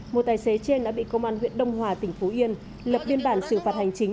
một tài xế trên đã bị công an huyện đông hòa tỉnh phú yên lập biên bản xử phạt hành chính